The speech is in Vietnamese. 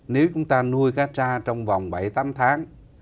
nếu chúng ta nuôi cá tra trong vòng bảy tám tháng